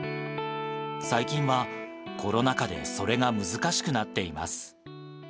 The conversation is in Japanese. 最近はコロナ禍でそれが難しくなっています。